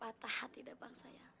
patah hati deh bang sayang